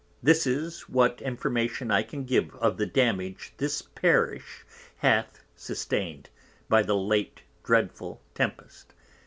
This is what Information I can give of the Damage this Parish hath sustain'd by the late dreadful Tempest.